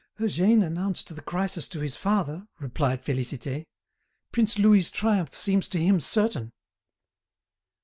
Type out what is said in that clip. "Eugène announced the crisis to his father," replied Félicité. "Prince Louis's triumph seems to him certain."